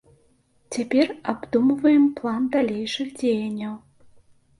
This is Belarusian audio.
Цяпер абдумваем план далейшых дзеянняў.